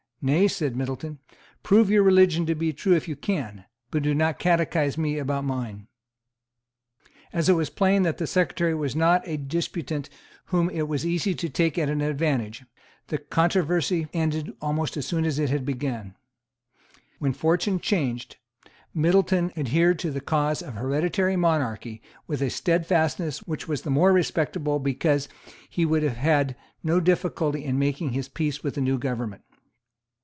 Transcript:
"Nay," said Middleton; "prove your religion to be true if you can; but do not catechize me about mine." As it was plain that the Secretary was not a disputant whom it was easy to take at an advantage, the controversy ended almost as soon as it began. When fortune changed, Middleton adhered to the cause of hereditary monarchy with a stedfastness which was the more respectable because he would have had no difficulty in making his peace with the new government.